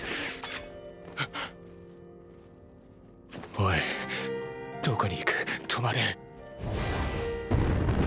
オイどこに行く止まれ。